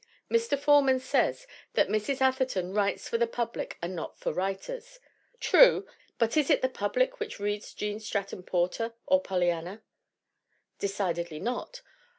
Mr. Forman says that Mrs. Atherton writes for the public and not for writers. True, but is it the public which reads Gene Stratton Porter or Polly anna ? Decidedly not.